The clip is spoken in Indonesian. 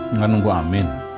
nggak nunggu amin